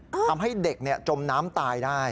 ทำให้เด็กจมน้ำตายได้